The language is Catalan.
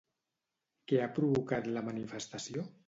Què ha provocat la manifestació?